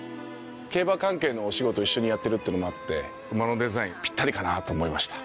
競馬関係のお仕事を一緒にやってるっていうのもあって馬のデザインぴったりかなと思いました。